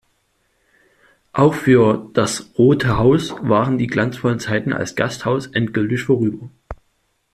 Auch für das "Rote Haus" waren die glanzvollen Zeiten als Gasthaus endgültig vorüber.